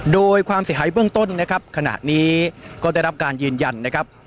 โดยความเสียหายเบื้องต้นนะครับขณะนี้ก็ได้รับการยืนยันนะครับ